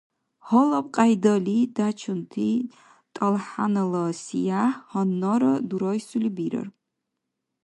Гьалаб кьяйдали дячунти тӀалхӀянала сияхӀ гьаннара дурайсули бирар.